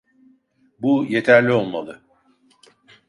Bu yeterli olmalı.